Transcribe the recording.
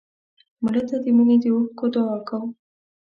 مړه ته د مینې د اوښکو دعا کوو